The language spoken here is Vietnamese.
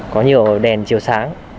có nhiều đèn chiều sáng